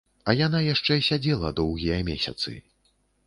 А яна яшчэ сядзела доўгія месяцы.